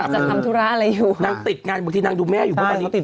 ทำธุระอะไรอยู่นางติดงานบางทีนางดูแม่อยู่เพราะตอนนี้ติด